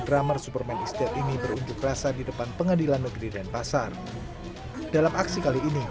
drummer superman istri ini berujuk rasa di depan pengadilan negeri dan pasar dalam aksi kali ini